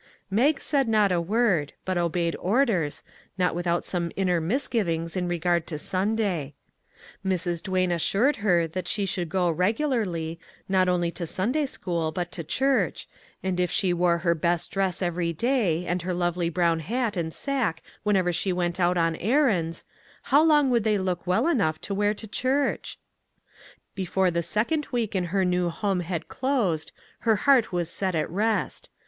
Mag said not a word, but obeyed orders, not without some inner misgivings in regard to Sunday. Mrs. Duane had assured her that she should go regularly, not only to Sunday school, but to church, and if she wore her best dress every day, and her lovely brown hat and sack whenever she went out on errands, how long would they look well enough to wear to church ? Before the second week in her new home had closed, her heart was set at rest.